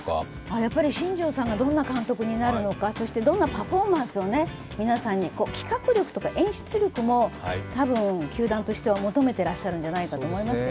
やっぱり新庄さんがどんな監督になるのか、そしてどんなパフォーマンスを皆さんに、企画力とか演出力も球団としては求めてらっしゃると思います。